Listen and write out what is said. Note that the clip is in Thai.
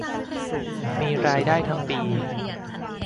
มีรายได้ทั้งปี